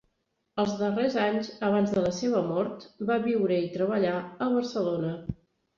Els darrers anys abans de la seva mort va viure i treballar a Barcelona.